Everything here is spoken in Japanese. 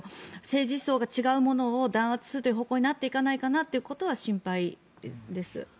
政治思想が違う者を弾圧するという方向になっていかないかと心配です。